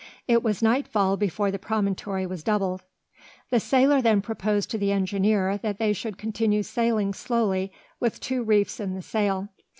It was nightfall before the promontory was doubled. The sailor then proposed to the engineer that they should continue sailing slowly with two reefs in the sail.